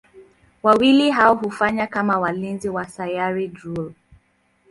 Wawili hao hufanya kama walinzi wa Sayari Drool.